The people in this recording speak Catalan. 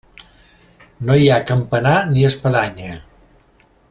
No hi ha campanar ni espadanya.